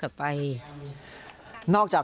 ร้านของรัก